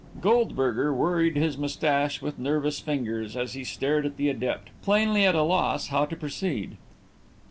Goldberger worried his moustache with nervous fingers, as he stared at the adept, plainly at a loss how to proceed.